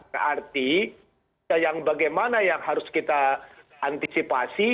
berarti yang bagaimana yang harus kita antisipasi